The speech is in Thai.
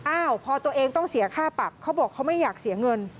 อ้าวพอตัวเองต้องเสียค่าปรับเขาบอกเขาไม่อยากเสียเงิน